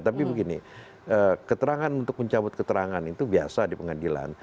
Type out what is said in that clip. tapi begini keterangan untuk mencabut keterangan itu biasa di pengadilan